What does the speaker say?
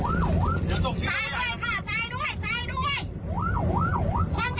โอ้โห้ยเดี๋ยวเดี๋ยวมันเจอกูลงพัก